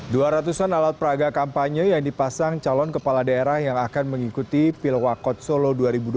dua ratusan alat peragak kampanye yang dipasang calon kepala daerah yang akan mengikuti pil wakot solo dua ribu dua puluh